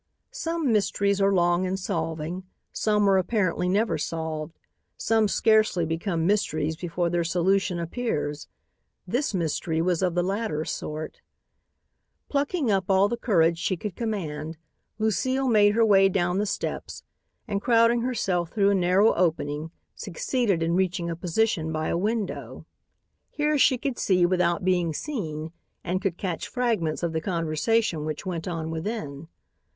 Some mysteries are long in solving. Some are apparently never solved. Some scarcely become mysteries before their solution appears. This mystery was of the latter sort. Plucking up all the courage she could command, Lucile made her way down the steps and, crowding herself through a narrow opening, succeeded in reaching a position by a window. Here she could see without being seen and could catch fragments of the conversation which went on within.